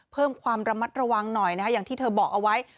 เพิ่มความระมัดระวังหน่อยนะคะอย่างที่เธอบอกเอาไว้